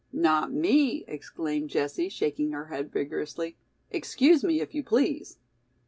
"Not me," exclaimed Jessie, shaking her head vigorously. "Excuse me, if you please."